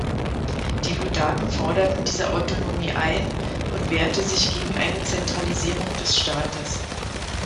Die Ludaken forderten diese Autonomie ein und wehrte sich gegen eine Zentralisierung des Staates.